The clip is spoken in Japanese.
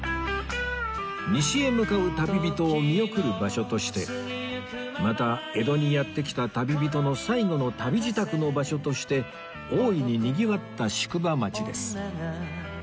西へ向かう旅人を見送る場所としてまた江戸にやって来た旅人の最後の旅支度の場所として大いににぎわった宿場町です